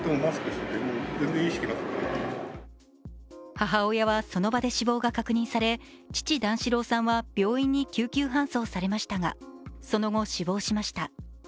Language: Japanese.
母親はその場で死亡が確認され父、段四郎さんは病院に救急搬送されましたがその後、死亡しました。